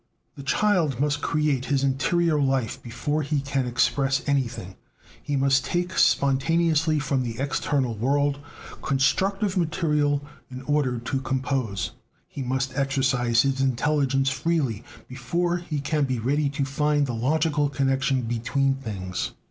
The child must create his interior life before he can express anything; he must take spontaneously from the external world constructive material in order to "compose"; he must exercise his intelligence freely before he can be ready to find the logical connection between things.